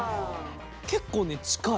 結構ね近い。